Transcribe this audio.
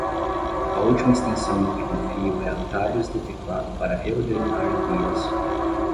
A última extensão em que confio é Atalhos de Teclado para Reordenar Guias.